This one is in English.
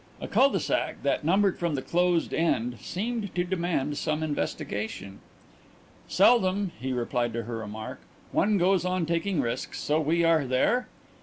A cul de sac that numbered from the closed end seemed to demand some investigation. "Seldom," he replied to her remark. "One goes on taking risks. So we are there?"